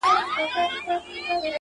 توره شپه يې سوله جوړه پر چشمانو،